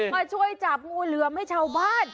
มาช่วยจับงูเหลือมให้ชาวบ้าน